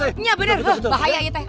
iya bener bahaya ya teh